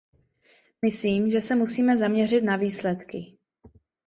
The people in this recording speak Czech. Myslím, že se musíme zaměřit na výsledky.